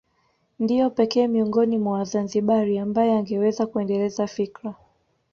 Ndiye pekee miongoni mwa Wazanzibari ambaye angeweza kuendeleza fikra